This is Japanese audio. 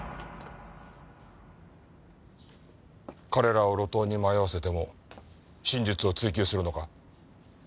彼らを路頭に迷わせても真実を追究するのか？